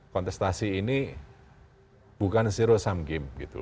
kontestasi ini bukan zero sum game gitu